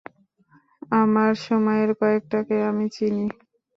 আমার সময়ের কয়েকটাকে আমি চিনি।